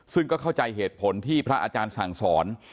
ซึ่งก็เข้าใจเหตุผลที่พระอาจารย์สั่งสอน